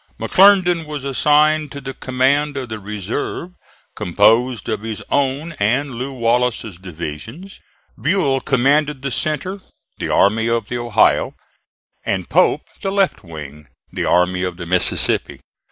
McClernand was assigned to the command of the reserve, composed of his own and Lew. Wallace's divisions. Buell commanded the centre, the Army of the Ohio; and Pope the left wing, the Army of the Mississippi.